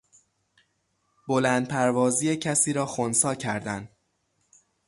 بلند پروازی کسی را خنثی کردن